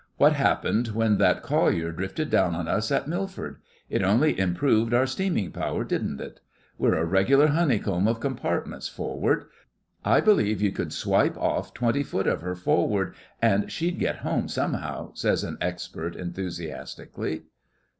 What happened when that collier drifted down on us at Milford? It only improved our steaming power, didn't it? We're a regular honeycomb of compartments forward. I believe you could swipe off twenty foot of her forward, and she'd get home somehow,' says an expert, enthusiastically.